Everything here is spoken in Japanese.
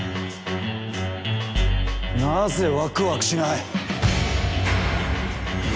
なぜワクワクしない。